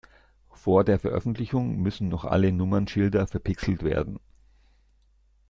Vor der Veröffentlichung müssen noch alle Nummernschilder verpixelt werden.